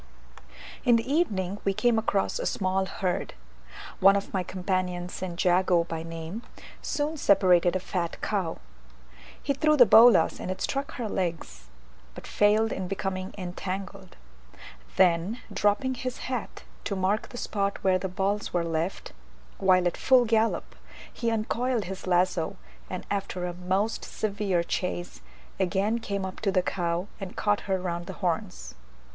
In the evening we came across a small herd. One of my companions, St. Jago by name, soon separated a fat cow: he threw the bolas, and it struck her legs, but failed in becoming entangled. Then dropping his hat to mark the spot where the balls were left, while at full gallop, he uncoiled his lazo, and after a most severe chase, again came up to the cow, and caught her round the horns.